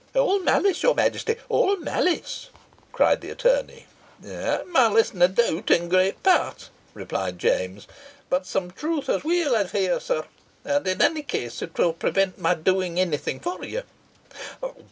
"All malice, your Majesty all malice," cried the attorney. "Malice, nae doubt, in great pairt," replied James; "but some truth as weel, I fear, sir. And in any case it will prevent my doing any thing for you."